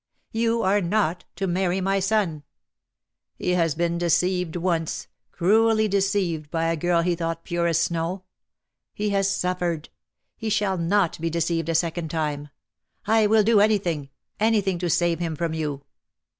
"You are not to marry my son. He has been deceived once, cruelly deceived by a girl he thought pure as snow. He has suffered. He shall not be deceived a second time. I will do anything — any thing to save him from you."